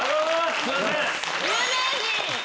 すみません！